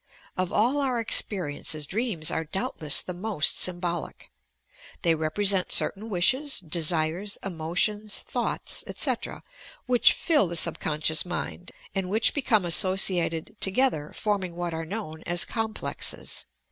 Of all our experiences, dreams are doubt less the most symbolic. They represent certain wishes, desires, emotions, thoughts, etc., which fill the subcon scious mind, and which become associated together, form ing what are known as "complexes."